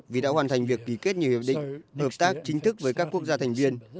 vì đã hoàn thành việc ký kết nhiều hiệp định hợp tác chính thức với các quốc gia thành viên